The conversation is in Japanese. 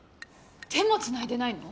手もつないでないの！？